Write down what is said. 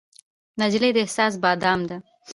نجلۍ د احساس بادام ده.